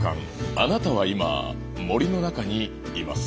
あなたは今森の中にいます。